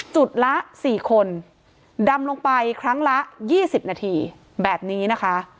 จุดละ๔คนดำลงไปครั้งละ๒๐นาทีแบบนี้นะคะ